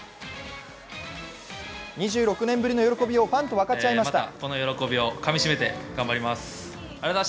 ２６年ぶりの喜びをファンと分かち合いました。